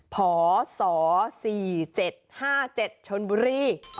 พศ๔๗๕๗ชนบุรี